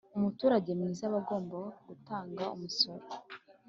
Umuturage mwiza aba agomba gutanga umusoro